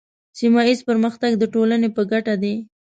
سیمه ایز پرمختګ د ټولنې په ګټه دی.